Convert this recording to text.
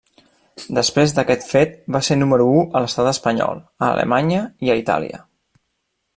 Després d'aquest fet va ser número u a l'estat espanyol, a Alemanya i a Itàlia.